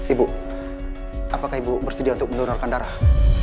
ibu apakah ibu bersedia untuk mendonorkan darah